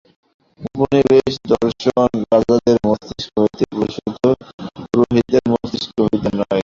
উপনিষদের দর্শন রাজাদের মস্তিষ্ক হইতে প্রসূত, পুরোহিতদের মস্তিষ্ক হইতে নয়।